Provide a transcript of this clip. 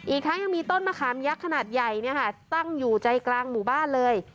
อีกทั้งยังมีต้นมะขามยักษ์ขนาดใหญ่ตั้งอยู่ใจกลางหมู่บ้านเลย